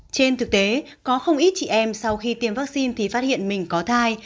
trên thực tế có không ít chị em sau khi tiêm vaccine thì phát hiện mình có thai